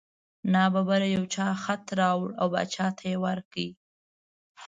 نا ببره یو چا خط راوړ او باچا ته یې ورکړ.